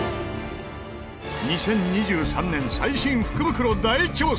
２０２３年最新福袋大調査